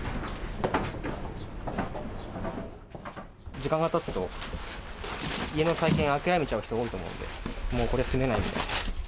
時間がたつと、家の再建、諦めちゃう人多いと思うので、もうこれ住めないみたいな。